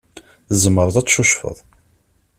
Tzemreḍ ad tcucfeḍ.